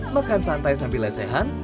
makan santai sambil lesehan